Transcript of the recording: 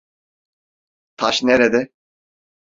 Taş nerede?